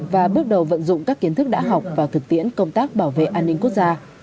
và bước đầu vận dụng các kiến thức đã học vào thực tiễn công tác bảo vệ an ninh quốc gia